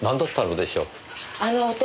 あの男